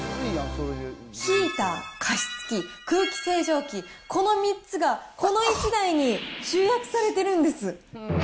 ヒーター、加湿器、空気清浄機、この３つがこの１台に集約されてるんです。